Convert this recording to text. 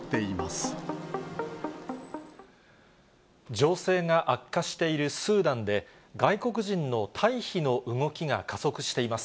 情勢が悪化しているスーダンで、外国人の退避の動きが加速しています。